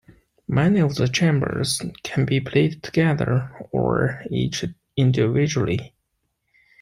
Many of the chambers can be played together or each individually.